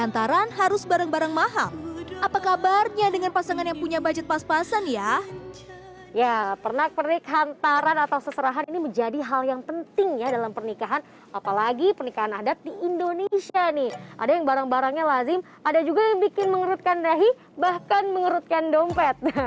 ada yang barang barangnya lazim ada juga yang bikin mengerutkan rahi bahkan mengerutkan dompet